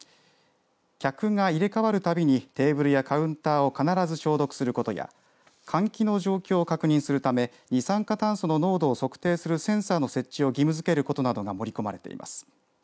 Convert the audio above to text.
客が入れ替わるたびにテーブルやカウンターを必ず消毒することや換気の状況を確認するため二酸化炭素の濃度を測定するセンサーの設置を義務づけることなどが盛り込まれています。